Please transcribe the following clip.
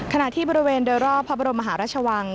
ขณะที่บริเวณโดยรอบพระบรมมหาราชวัง